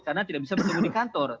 karena tidak bisa bertemu di kantor